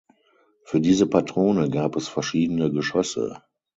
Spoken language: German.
Für diese Patrone gab es verschiedene Geschosse.